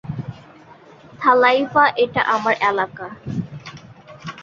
থালাইভা এটা আমার এলাকা।